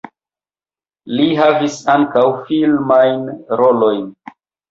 Li havis ankaŭ filmajn rolojn.